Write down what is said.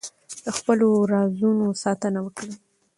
د خپلو رازونو ساتنه وکړئ.